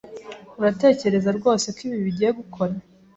Uratekereza rwose ko ibi bigiye gukora?